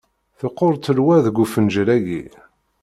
Teqqur ttelwa deg ufenǧal-ayi.